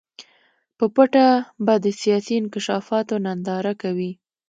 په پټه به د سیاسي انکشافاتو ننداره کوي.